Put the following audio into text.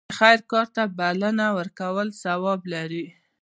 د خیر کار ته بلنه ورکول ثواب لري.